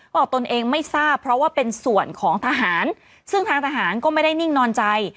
บอกตนเองไม่ทราบเพราะว่าเป็นส่วนของทหารซึ่งทางทหารก็ไม่ได้นิ่งนอนใจ